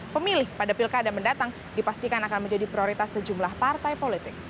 pemilih pada pilkada mendatang dipastikan akan menjadi prioritas sejumlah partai politik